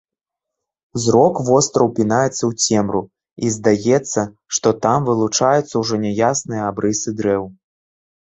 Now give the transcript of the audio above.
Зрок востра ўпінаецца ў цемру, і здаецца, што там вылучаюцца ўжо няясныя абрысы дрэў.